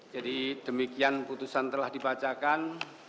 demikian putusan telah dibacakan